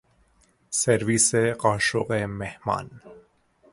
سرویس قاشق مهمان